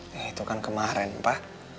nah itu kan kemarin pak